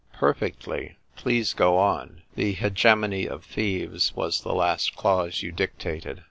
" Perfectly. Please go on ;' the hegemony of Thebes * was the last clause you dictated."